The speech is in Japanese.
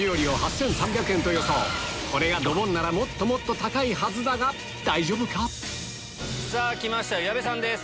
これがドボンならもっともっと高いはずだが大丈夫か⁉さぁ来ました矢部さんです。